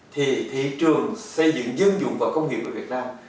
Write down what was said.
thì thị trường xây dựng dân dụng và công nghiệp của việt nam